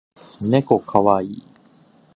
ねこかわいい